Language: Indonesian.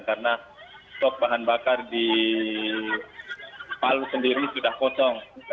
karena stok bahan bakar di palu sendiri sudah kosong